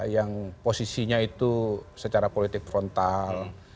yang posisinya itu secara politik frontal